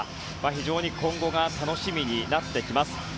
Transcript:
非常に今後が楽しみになってきます。